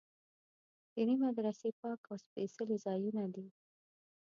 دیني مدرسې پاک او سپېڅلي ځایونه دي.